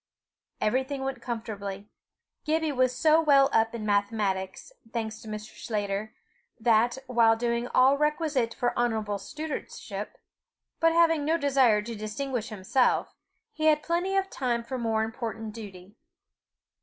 Everything went comfortably. Gibbie was so well up in mathematics, thanks to Mr. Sclater, that, doing all requisite for honourable studentship, but having no desire to distinguish himself, he had plenty of time for more important duty.